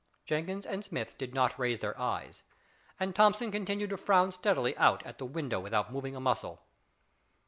Jenkins and Smith did not raise their eyes, and Thomson continued to frown steadily out at the window without moving a muscle.